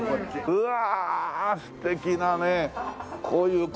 うわ！